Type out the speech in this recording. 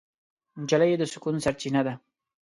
نجلۍ د سکون سرچینه ده.